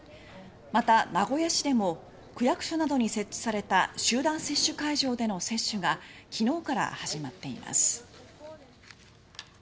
また、名古屋市でも区役所などに設置された集団接種会場での接種が昨日から始まっています。